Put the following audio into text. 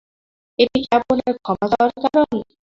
এটি কি আপনার ক্ষমা চাওয়ার ধরণ?